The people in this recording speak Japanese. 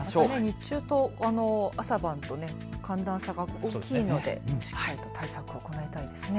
日中と朝晩と寒暖差が大きいので対策、行いたいですね。